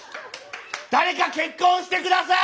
「誰か結婚して下さい！」。